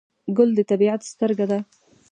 ګل د طبیعت سترګه ده.